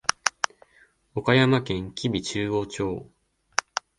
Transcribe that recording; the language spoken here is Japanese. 岡山県吉備中央町